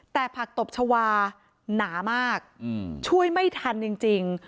แต่ผักตบชาวาหนามากช่วยไม่ทันจริง